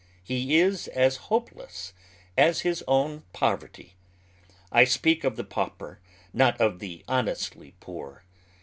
He is as hopeless as his own poverty. I speak of thejtavpei; not of the honestly poor.